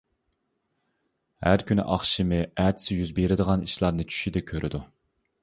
ھەر كۈنى ئاخشىمى ئەتىسى يۈز بېرىدىغان ئىشلارنى چۈشىدە كۆرىدۇ.